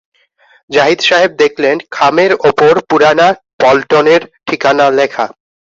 জাহিদ সাহেব দেখলেন, খামের ওপর পুরানা পন্টনের ঠিকানা লেখা।